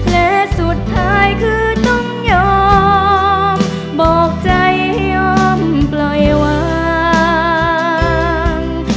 และสุดท้ายคือต้องยอมบอกใจให้ยอมปล่อยวาง